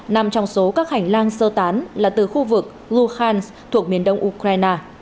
năm trong số các hành lang sơ tán là từ khu vực luhansk thuộc miền đông ukraine